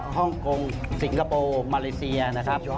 ฮ่องกงสิงคโปร์มาเลเซียนะครับ